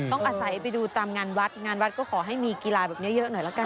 ต้องอาศัยไปดูตามงานวัดงานวัดก็ขอให้มีกีฬาแบบนี้เยอะหน่อยละกัน